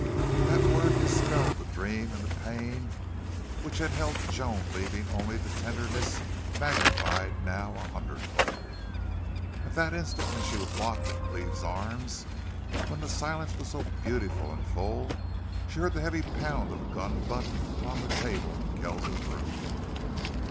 That word dispelled the dream and the pain which had held Joan, leaving only the tenderness, magnified now a hundredfold. And that instant when she was locked in Cleve's arms, when the silence was so beautiful and full, she heard the heavy pound of a gun butt upon the table in Kells's room.